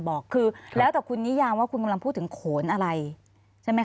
บอกคือแล้วแต่คุณนิยามว่าคุณกำลังพูดถึงโขนอะไรใช่ไหมคะ